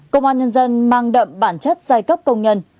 công an nhân dân mang đậm bản chất giai cấp công nhân